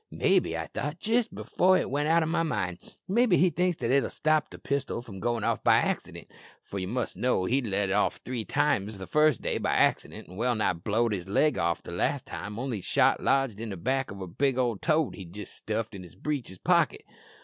'Maybe,' thought I, jist before it went out o' my mind 'maybe he thinks that'll stop the pistol from goin' off by accident;' for ye must know he'd let it off three times the first day by accident, an' well nigh blowed off his leg the last time, only the shot lodged in the back o' a big toad he'd jist stuffed into his breeches pocket.